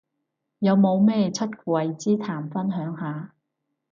有冇咩出櫃之談分享下